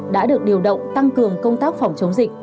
đã được điều động tăng cường công tác phòng chống dịch